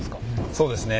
そうですね。